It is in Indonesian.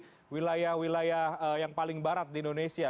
mungkin dari wilayah wilayah yang paling barat di indonesia